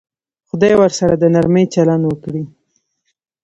خدای ورسره د نرمي چلند وکړي.